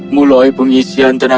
mulai pengisian tenaga tersebut